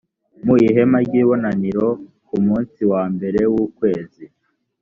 mu ihema ry ibonaniro ku munsi wa mbere w ukwezi